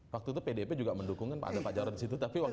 waktu itu pdp juga mendukung kan pak jarod disitu tapi waktu